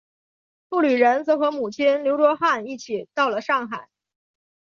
傅履仁则和母亲刘倬汉一起到了上海。